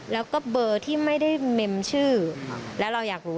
แล้วก็เบอร์ที่ไม่ได้เมมชื่อแล้วเราอยากรู้